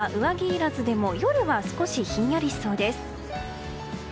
日差しのもとでは上着いらずでも夜は少しひんやりしそうです。